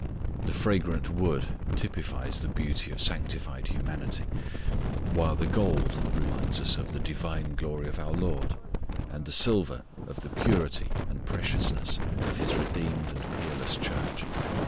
The fragrant wood typifies the beauty of sanctified humanity, while the gold reminds us of the divine glory of our LORD, and the silver of the purity and preciousness of His redeemed and peerless Church.